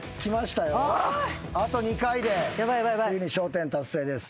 あと２回でついに笑１０達成です。